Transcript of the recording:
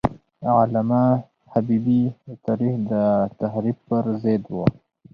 علامه حبیبي د تاریخ د تحریف پر ضد و.